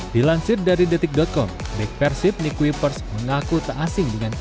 dilansir dari detik com nick persib nick whippers mengaku tak asing dengan persib